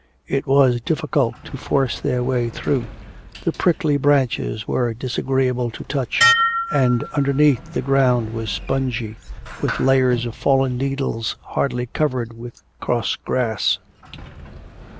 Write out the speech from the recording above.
It was difficult to force their way through; the prickly branches were disagreeable to touch, and underneath the ground was spongy, with layers of fallen needles hardly covered with coarse grass.